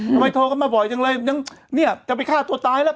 ทำไมโทรกันมาบ่อยจังเลยยังเนี่ยจะไปฆ่าตัวตายแล้ว